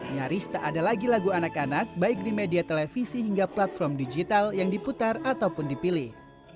nyaris tak ada lagi lagu anak anak baik di media televisi hingga platform digital yang diputar ataupun dipilih